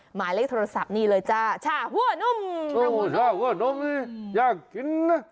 หมายเลขโทรศัพท์นี่เลยจ้าช่าหัวนุ่มชั่วช่าหัวนมนี่ยากกินนะ